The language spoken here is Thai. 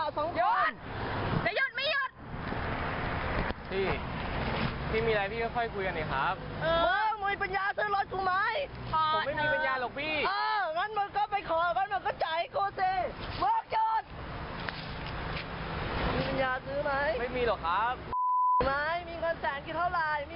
แสงกี่เท่าไหร่มีกี่ล้านยังไม่ยอมซีนนะ๑ล้านบาทดูให้มึงดูอะไร